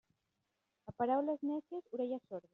A paraules nècies, orelles sordes.